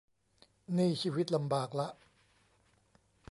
นี่ชีวิตลำบากละ